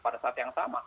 pada saat yang sama